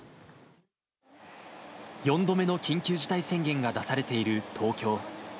４度目の緊急事態宣言が出されている東京。